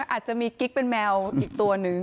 อาจจะมีกิ๊กเป็นแมวอีกตัวนึง